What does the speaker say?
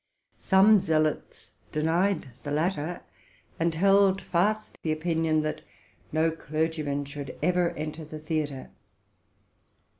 Some zealots denied the latter, and held fast the opinion that no clergyman should ever enter the theatre.